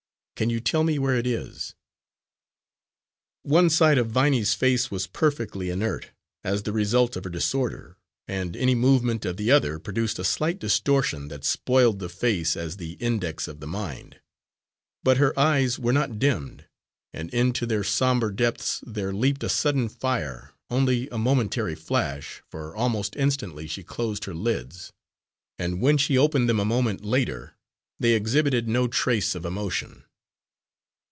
Can you tell me where it is?" One side of Viney's face was perfectly inert, as the result of her disorder, and any movement of the other produced a slight distortion that spoiled the face as the index of the mind. But her eyes were not dimmed, and into their sombre depths there leaped a sudden fire only a momentary flash, for almost instantly she closed her lids, and when she opened them a moment later, they exhibited no trace of emotion.